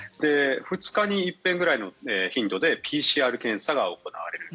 ２日に１回ぐらいの頻度でＰＣＲ検査が行われる。